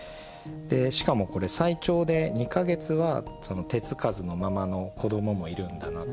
しかもこれ最長で二ヶ月は手付かずのままのこどももいるんだなっていう。